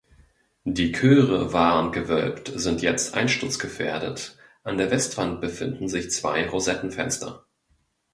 Die Chöre waren gewölbt, sind jetzt einsturzgefährdet; an der Westwand befinden sich zwei Rosettenfenster.